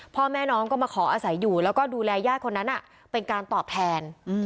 พ่อแม่น้องก็มาขออาศัยอยู่แล้วก็ดูแลญาติคนนั้นเป็นการตอบแทน